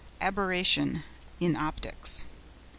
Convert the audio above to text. ABERRATION (in Optics).